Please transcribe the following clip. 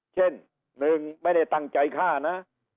เช่นหนึ่งไม่ได้ตั้งใจฆ่านะ